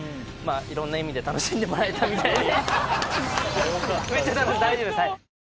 いろんな意味で楽しんでもらえたみたいで。